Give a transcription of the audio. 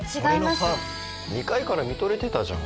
俺のファン２階から見とれてたじゃん